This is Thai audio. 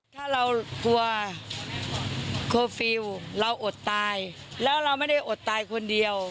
ถ้าเรากลัวเคอร์ฟิลล์เราอดตายแล้วเราไม่ได้อดตายคนเดียว